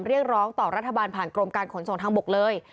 เรียกร้องต่อรัฐบาลผ่านกรมการขนส่งทางบกเลย